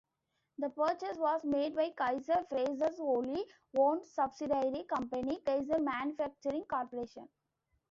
The purchase was made by Kaiser-Frazer's wholly owned subsidiary company, Kaiser Manufacturing Corporation.